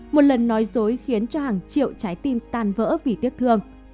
một lần nói dối khiến cho hàng triệu trái tim tan vỡ vì tiếc thương